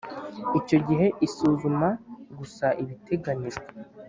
Icyo gihe isuzuma gusa ibiteganyijwe